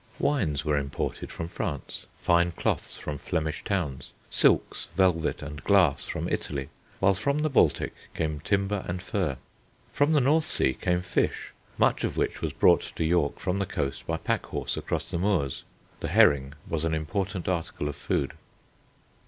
Wines were imported from France, fine cloths from Flemish towns, silks, velvet, and glass from Italy, while from the Baltic came timber and fur. From the North sea came fish, much of which was brought to York from the coast by pack horse across the moors. The herring was an important article of food.